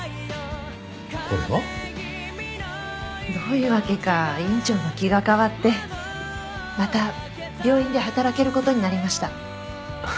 これは？どういうわけか院長の気が変わってまた病院で働ける事になりました。